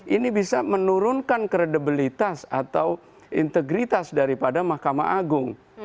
ini bisa menurunkan kredibilitas atau integritas daripada mahkamah agung